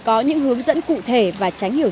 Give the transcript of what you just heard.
có những hướng dẫn cụ thể và tránh hiểu